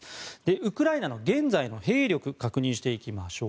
ウクライナの現在の兵力確認していきましょう。